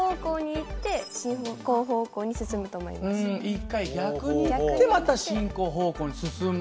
１回逆に行ってまた進行方向に進む。